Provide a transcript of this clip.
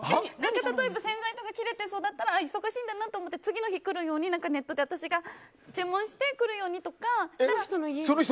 例えば洗剤とか切れてそうだったら忙しいんだなと思って次の日来るようにネットで私が注文して来るようにとか。